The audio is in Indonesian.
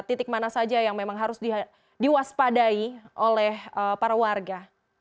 titik mana saja yang memang harus diwaspadai oleh para warga